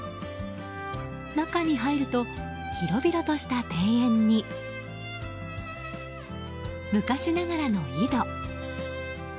中に入ると、広々とした庭園に昔ながらの井戸。